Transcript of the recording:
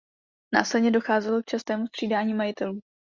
Následně docházelo k častému střídání majitelů.